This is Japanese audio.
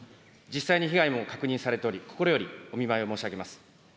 実際に被害も確認されており、心よりお見舞いを申し上げます。